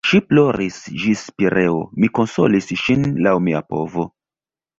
Ŝi ploris ĝis Pireo, mi konsolis ŝin laŭ mia povo.